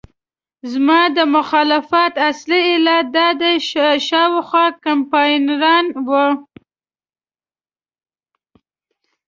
زما د مخالفت اصلي علت دده شاوخوا کمپاینران وو.